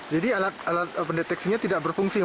jadi alat pendeteksinya tidak berfungsi